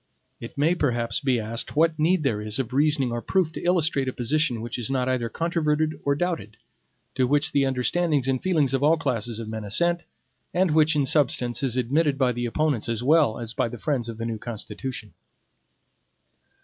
It may perhaps be asked what need there is of reasoning or proof to illustrate a position which is not either controverted or doubted, to which the understandings and feelings of all classes of men assent, and which in substance is admitted by the opponents as well as by the friends of the new Constitution.